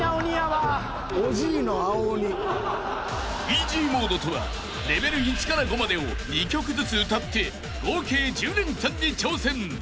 ［イージーモードとはレベル１から５までを２曲ずつ歌って合計１０レンチャンに挑戦］